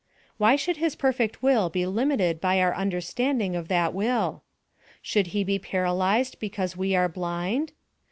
Why should his perfect will be limited by our understanding of that will? Should he be paralyzed because we are blind?